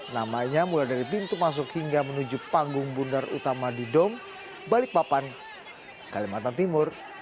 namanya mulai dari pintu masuk hingga menuju panggung bundar utama di dom balikpapan kalimantan timur